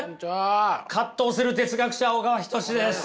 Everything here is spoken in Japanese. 葛藤する哲学者小川仁志です。